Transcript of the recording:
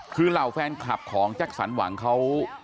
คือเหล่าแฟนคลับของแจ็คสันหวังเขา